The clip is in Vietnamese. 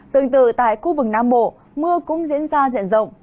tương tự tại khu vực nam bộ mưa cũng diễn ra diện rộng